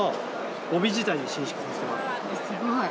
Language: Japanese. すごい。